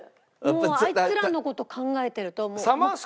もうあいつらの事考えてると。